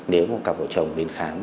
nếu một cặp vợ chồng đến khám